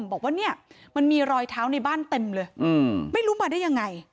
บอกว่าเนี่ยมันมีรอยเท้าในบ้านเต็มเลยไม่รู้มาได้ยังไง